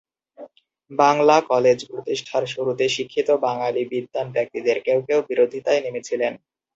Bangla college প্রতিষ্ঠার শুরুতে শিক্ষিত বাঙালি বিদ্বান ব্যক্তিদের কেউ কেউ বিরোধিতায় নেমেছিলেন।